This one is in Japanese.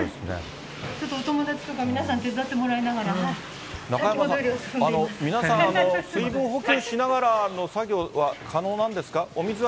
ちょっとお友達とか、皆さん、皆さん、水分補給しながらの作業は可能なんですか？